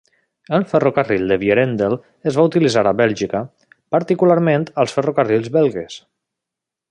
El ferrocarril de Vierendeel es va utilitzar a Bèlgica, particularment als ferrocarrils belgues.